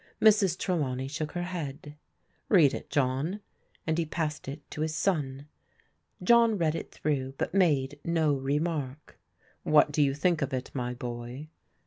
Mrs. Trelawney shook her head. " Read it, John," and he passed it to his son. John read it through, but made no remark " What do you think of it, my boy?